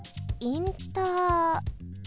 インター